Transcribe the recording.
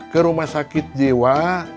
ke rumah sakit jewa